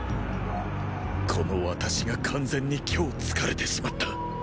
この私が完全に虚を突かれてしまった。